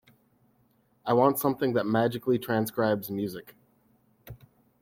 I want something that magically transcribes music.